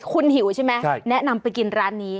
คุณหิวใช่ไหมแนะนำไปกินร้านนี้